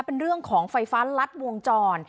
เป็นเรื่องของไฟฟ้ารัดวงจร